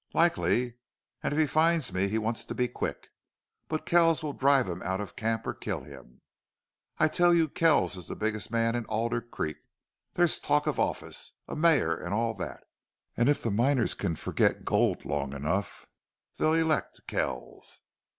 "Likely. And if he finds me he wants to be quick. But Kells will drive him out of camp or kill him. I tell you, Kells is the biggest man in Alder Creek. There's talk of office a mayor and all that and if the miners can forget gold long enough they'll elect Kells.